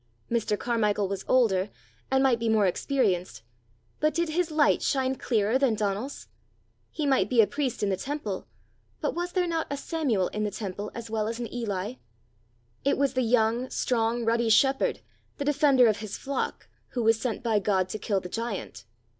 Mr. Carmichael was older, and might be more experienced; but did his light shine clearer than Donal's? He might be a priest in the temple; but was there not a Samuel in the temple as well as an Eli? It the young, strong, ruddy shepherd, the defender of his flock, who was sent by God to kill the giant!